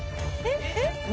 えっ？